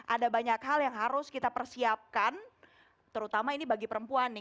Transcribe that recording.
ada banyak hal yang harus kita persiapkan terutama ini bagi perempuan nih